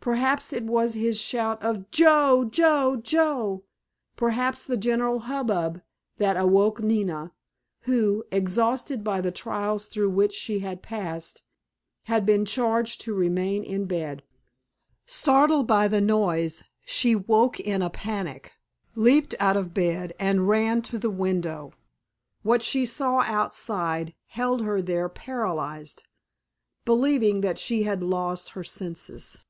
Perhaps it was his shout of "Joe, Joe, Joe!" perhaps the general hubbub, that awoke Nina, who, exhausted by the trials through which she had passed, had been charged to remain in bed. Startled by the noise she woke in a panic, leaped out of bed and ran to the window. What she saw outside held her there paralyzed, believing that she had lost her senses.